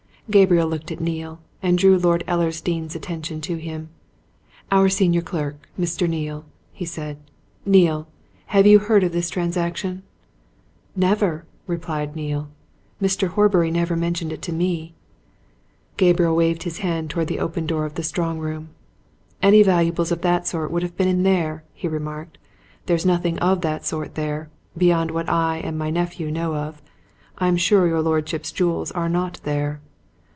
Gabriel looked at Neale, and drew Lord Ellersdeane's attention to him. "Our senior clerk Mr. Neale," he said. "Neale have you heard of this transaction?" "Never!" replied Neale. "Mr. Horbury never mentioned it to me." Gabriel waved his hand towards the open door of the strong room. "Any valuables of that sort would have been in there," he remarked. "There is nothing of that sort there beyond what I and my nephew know of. I am sure your lordship's jewels are not there."